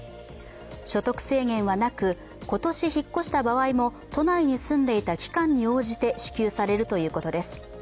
所得制限はなく、今年引っ越した場合も都内に住んでいた期間に応じて支給されるということです。